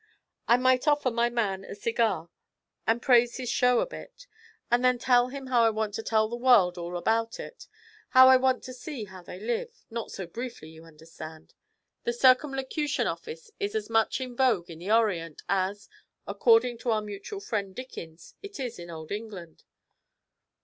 I might offer my man a cigar, and praise his show a bit, and then tell him how I want to tell the world all about him; how I want to see how they live, not so briefly, you understand. The circumlocution office is as much in vogue in the Orient as, according to our mutual friend Dickens, it is in old England.